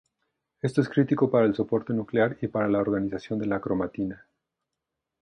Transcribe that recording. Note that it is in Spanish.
Esto es crítico para el soporte nuclear y para la organización de la cromatina.